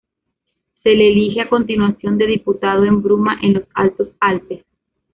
Se le elige a continuación de diputado en Bruma en los Altos Alpes.